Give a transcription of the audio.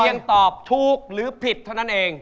ยังตอบถูกหรือผิดเท่านั้นเอง